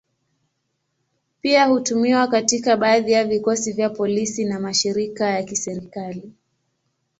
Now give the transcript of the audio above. Pia hutumiwa katika baadhi ya vikosi vya polisi na mashirika ya kiserikali.